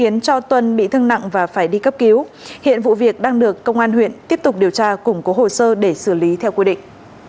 nặng nặng và phải đi cấp cứu hiện vụ việc đang được công an huyện tiếp tục điều tra cùng có hồ sơ để xử lý theo quy định